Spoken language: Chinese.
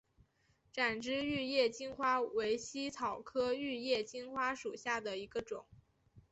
展枝玉叶金花为茜草科玉叶金花属下的一个种。